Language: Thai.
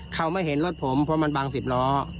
เขาไม่เห็นรถผมเพราะมันบางสิบล้อ